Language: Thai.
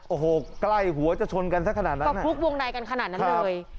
โอ้โหใกล้หัวจะชนกันสักขนาดนั้นก็พลุกวงในกันขนาดนั้นเลย